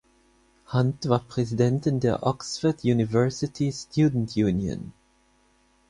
Hunt war Präsidentin der "Oxford University Student Union".